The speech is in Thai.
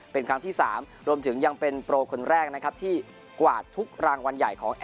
เป็นครั้งที่๓รวมถึงยังเป็นโปรคนแรกนะครับที่กวาดทุกรางวัลใหญ่ของ